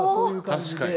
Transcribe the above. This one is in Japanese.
確かに。